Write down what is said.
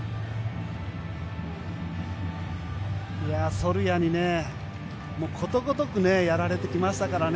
ソルヤにことごとくやられてきましたからね。